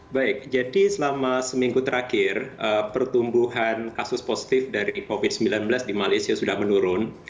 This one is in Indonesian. baik jadi selama seminggu terakhir pertumbuhan kasus positif dari covid sembilan belas di malaysia sudah menurun